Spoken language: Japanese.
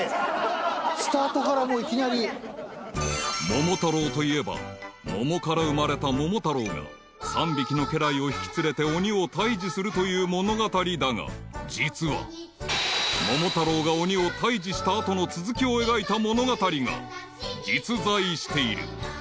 ［『桃太郎』といえば桃から生まれた桃太郎が３匹の家来を引き連れて鬼を退治するという物語だが実は桃太郎が鬼を退治した後の続きを描いた物語が実在している］